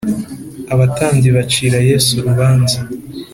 Abatambyi bacira Yesu urubanza